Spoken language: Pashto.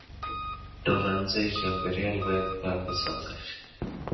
د پلورنځي چاپیریال باید پاک وساتل شي.